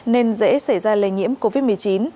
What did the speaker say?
nên dễ xảy ra lây nhiễm covid một mươi chín